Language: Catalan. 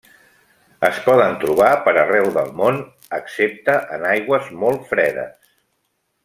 Es poden trobar per arreu del món excepte en aigües molt fredes.